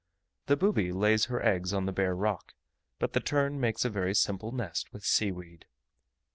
The booby lays her eggs on the bare rock; but the tern makes a very simple nest with sea weed.